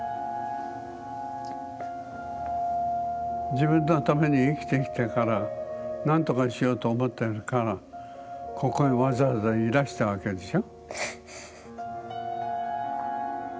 自分のために生きてきたからなんとかしようと思ってるからここへわざわざいらしたわけでしょ。